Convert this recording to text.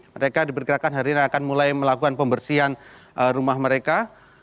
mereka diperkirakan hari ini akan mulai melakukan pembersihan rumah mereka